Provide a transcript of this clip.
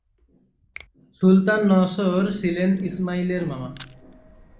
সুলতান নসর ছিলেন ইসমাইলের মামা।